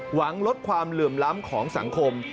หวังลดความเหลื่อมล้ำของสังคม